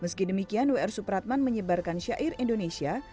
meski demikian w r supratman menyebarkan syair indonesia